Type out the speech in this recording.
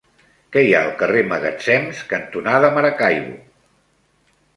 Què hi ha al carrer Magatzems cantonada Maracaibo?